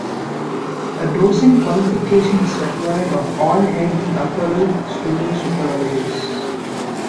A docent qualification is required of all head doctoral student supervisors.